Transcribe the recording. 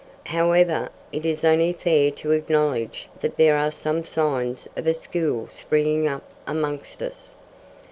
However, it is only fair to acknowledge that there are some signs of a school springing up amongst us.